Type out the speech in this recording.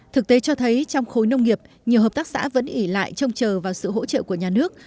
thực tế cho thấy trong khối nông nghiệp nhiều hợp tác xã vẫn ỉ lại trông chờ vào sự hỗ trợ của nhà nước